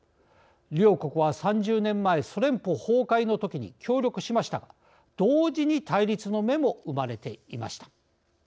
両国は３０年前ソ連邦崩壊のときに協力しましたが、同時に対立の芽も生まれていました。